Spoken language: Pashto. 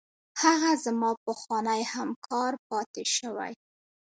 هغه زما پخوانی همکار پاتې شوی.